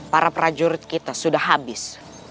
para prajurit kita sudah habis